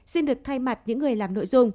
xin đừng quên đăng ký kênh để nhận thông tin nhất